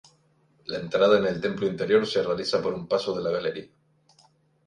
La entrada en el templo interior se realiza por un paso de la galería.